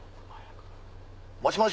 もしもし。